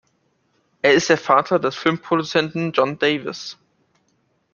Er ist der Vater des Filmproduzenten John Davis.